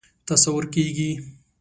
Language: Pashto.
تصور کېږي.